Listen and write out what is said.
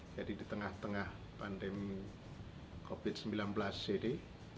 jadi di tengah tengah pandemi covid sembilan belas ini